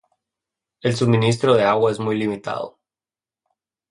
El suministro de agua es muy limitado.